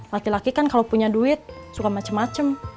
laki laki kan kalau punya duit suka macem macem